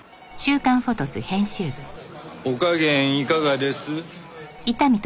お加減いかがです？